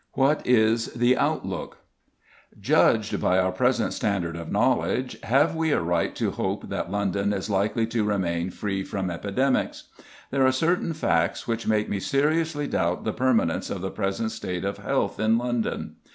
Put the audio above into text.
WHAT IS THE OUTLOOK? Judged by our present standard of knowledge, have we a right to hope that London is likely to remain free from epidemics? There are certain facts which make me seriously doubt the permanence of the present state of health in London.